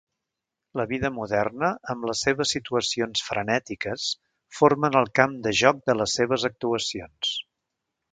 La vida moderna amb les seves situacions frenètiques formen el camp de joc de les seves actuacions.